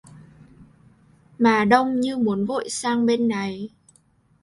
Mà Đông như muốn vội sang bên này